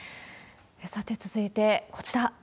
さて、続いて、こちら。